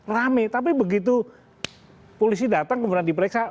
rame tapi begitu polisi datang kemudian diperiksa